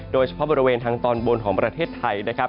โดยเฉพาะบริเวณทางตอนบนของประเทศไทยนะครับ